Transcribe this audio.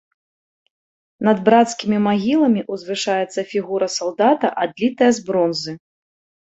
Над брацкімі магіламі ўзвышаецца фігура салдата, адлітая з бронзы.